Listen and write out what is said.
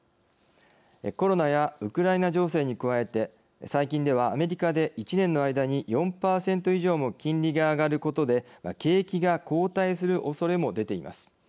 コロナやウクライナ情勢に加えて最近ではアメリカで１年の間に４％以上も金利が上がることで景気が後退するおそれも出ています。